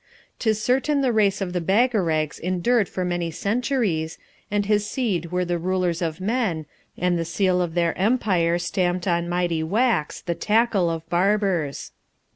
'Tis certain the race of the Bagarags endured for many centuries, and his seed were the rulers of men, and the seal of their empire stamped on mighty wax the Tackle of Barbers.